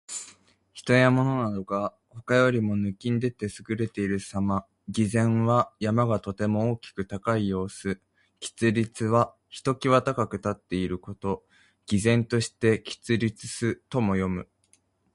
人や物などが、他よりも抜きん出て優れているさま。「巍然」は山がとても大きく高い様子。「屹立」は一際高く立っていること。「巍然として屹立す」とも読む。